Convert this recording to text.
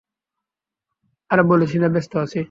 আরে বলেছি না, ব্যস্ত আছি।